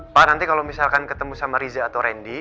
pak nanti kalau misalkan ketemu sama riza atau randy